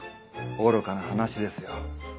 愚かな話ですよ。